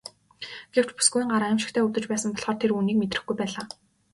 Гэвч бүсгүйн гар аймшигтай өвдөж байсан болохоор тэр үүнийг мэдрэхгүй байлаа.